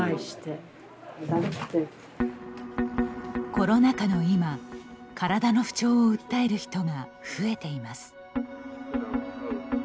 コロナ禍の今体の不調を訴える人が増えています。